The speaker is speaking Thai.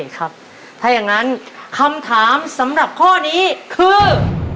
ถ้าอย่างนั้นคำถามสำหรับข้อนี้คือ